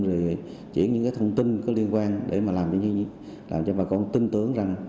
rồi chuyển những thông tin có liên quan để làm cho bà con tin tưởng rằng